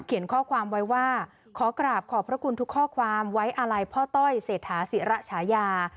ข้อความไว้ว่าขอกราบขอบพระคุณทุกข้อความไว้อาลัยพ่อต้อยเศรษฐาศิระฉายา